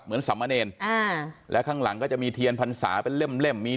เหมือนสำอเนญและข้างหลังก็จะมีเทียนพันษาเป็นเล่มเล่มมี